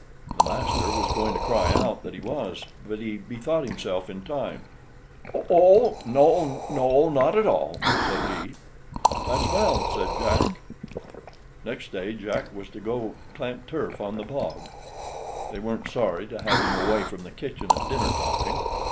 The master was going to cry out he was, but he bethought himself in time. "Oh; no, not at all," said he. "That's well," said Jack. Next day Jack was to go clamp turf on the bog. They weren't sorry to have him away from the kitchen at dinner time.